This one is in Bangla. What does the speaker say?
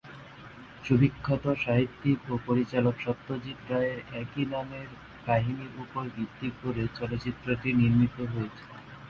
সুবিখ্যাত সাহিত্যিক ও পরিচালক সত্যজিৎ রায়ের একই নামের কাহিনীর উপর ভিত্তি করে চলচ্চিত্রটি নির্মিত হয়েছে।